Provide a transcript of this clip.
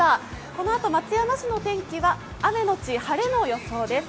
このあと、松山市の天気は雨のち晴れの予定です。